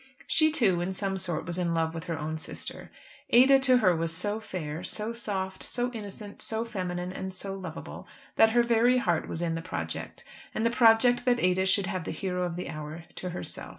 She too in some sort was in love with her own sister. Ada to her was so fair, so soft, so innocent, so feminine and so lovable, that her very heart was in the project, and the project that Ada should have the hero of the hour to herself.